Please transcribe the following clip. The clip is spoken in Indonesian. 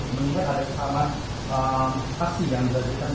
meningkatkan kesamaan kasi yang dilakukan